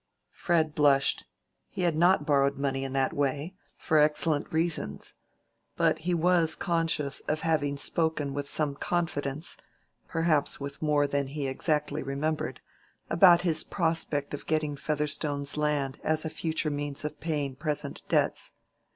Fred blushed. He had not borrowed money in that way, for excellent reasons. But he was conscious of having spoken with some confidence (perhaps with more than he exactly remembered) about his prospect of getting Featherstone's land as a future means of paying present debts.